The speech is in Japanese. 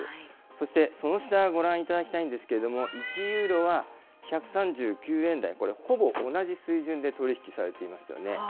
そして、その下をご覧いただきたいんですけれども、１ユーロは１３９円台、これ、ほぼ同じ水準で取り引きされていますよね。